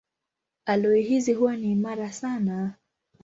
Aloi hizi huwa ni imara sana.